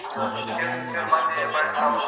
نوی پیل.